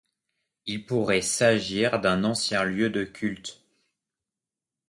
Il pourrait s'agir d'un ancien lieu de culte.